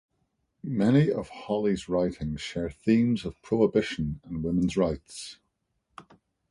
Many of Holley's writings share themes of prohibition and women's rights.